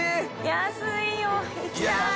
安いよ行きたい。